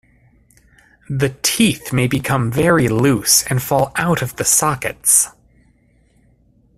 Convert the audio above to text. The teeth may become very loose and fall out of the sockets.